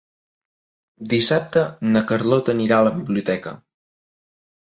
Dissabte na Carlota anirà a la biblioteca.